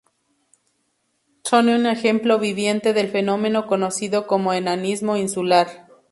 Son un ejemplo viviente del fenómeno conocido como enanismo insular.